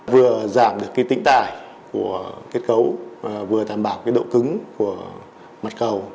vừa giảm được tĩnh tải của kết cấu vừa đảm bảo độ cứng của mặt cầu